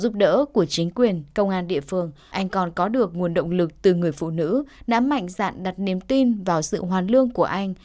từ người phụ nữ đã mạnh dạn đặt niềm tin vào sự hoàn lương của anh